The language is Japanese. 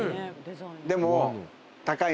でも。